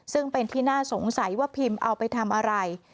ซึ่งเป็นที่น่าสงสัยว่าพิมเอาไปทำอะไร